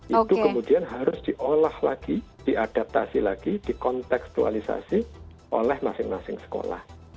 itu kemudian harus diolah lagi diadaptasi lagi dikontekstualisasi oleh masing masing sekolah